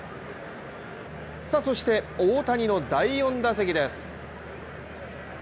そして大谷の第４打席です。